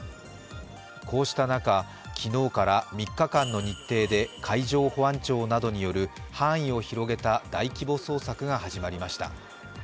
こうした中、昨日から３日間の日程で海上保安庁などによる範囲を広げた大規模捜索が始まりました。